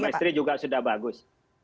mbak mestri juga sudah bagus